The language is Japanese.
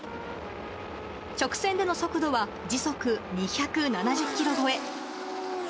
直線での速度は、時速２７０キロ超え。